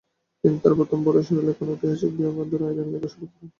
তিনি তার প্রথম বড়সড় লেখনী ঐতিহাসিক বিয়োগান্ত আইরিন লেখা শুরু করেন।